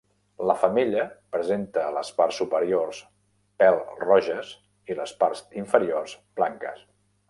La femella presenta les parts superior pèl roges i les parts inferiors blanques.